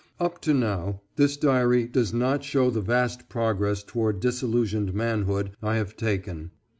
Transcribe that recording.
Up to now this diary does not show the vast progress towards disillusioned manhood I have taken.